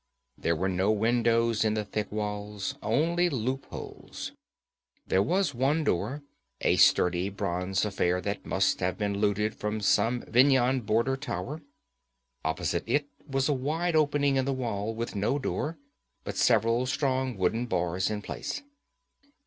There were no windows in the thick walls, only loop holes. There was one door, a sturdy bronze affair that must have been looted from some Vendhyan border tower. Opposite it was a wide opening in the wall, with no door, but several strong wooden bars in place.